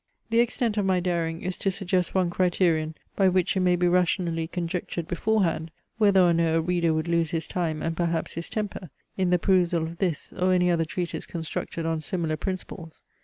The extent of my daring is to suggest one criterion, by which it may be rationally conjectured beforehand, whether or no a reader would lose his time, and perhaps his temper, in the perusal of this, or any other treatise constructed on similar principles.